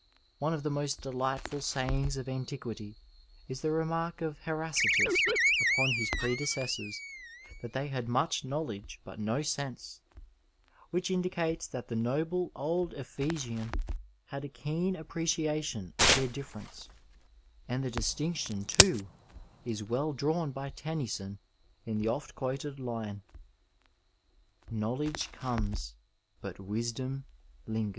One of the most delightful sayings of antiquity is the remark of Heracitus upon his predecessors — ^that they had much knowledge but no sense — ^which indicates that the noble old Ephesian had a keen appreciation of their difierenoe ; and the dis 432 Digitized by Google THE STUDENT LIFE tinction, too, is well drawn by Tennyson in the oft quoted Une; Knowledge oomes but wisdom lingen.